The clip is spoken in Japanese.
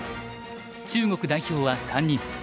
中国代表は３人。